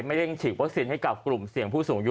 เร่งฉีดวัคซีนให้กับกลุ่มเสี่ยงผู้สูงอายุ